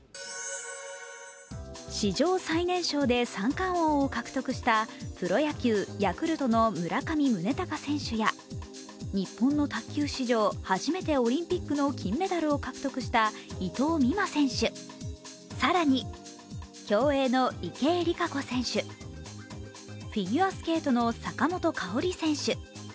史上最年少で三冠王を獲得したプロ野球ヤクルトの村上宗隆選手や日本の卓球史上初めてオリンピックの金メダルを獲得した伊藤美誠選手、更に競泳の池江璃花子選手、フィギュアスケートの坂本花織選手。